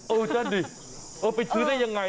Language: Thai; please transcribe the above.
เออจัดดิเออไปซื้อได้ยังไงอ่ะ